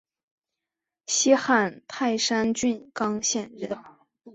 西汉泰山郡刚县人。